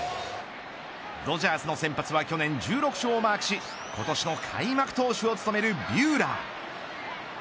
ドジャースの先発は去年１６勝をマークし今年の開幕投手を務めるビューラー。